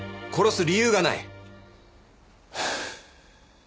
殺す理由がない。